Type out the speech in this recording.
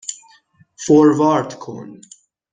فوروارد کن